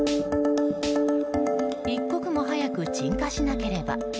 一刻も早く鎮火しなければ。